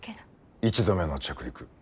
１度目の着陸。